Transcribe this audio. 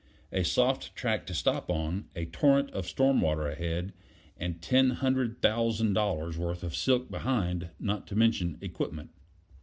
A soft track to stop on; a torrent of storm water ahead, and ten hundred thousand dollars' worth of silk behind, not to mention equipment.